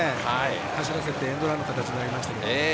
走らせてエンドランの形になりました。